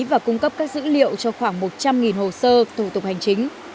và cung cấp các dữ liệu cho khoảng một trăm linh hồ sơ thủ tục hành chính